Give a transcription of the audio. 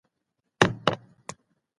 ځانګړې پوهه ټولنې ته ګټوره ده.